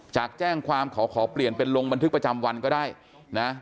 จากแจ้งความขอเปลี่ยนเป็นลงบันทึกประจำวันก็ได้นะ